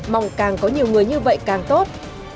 mong càng có nhiều người như vậy càng tốt